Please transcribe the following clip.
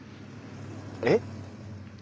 えっ？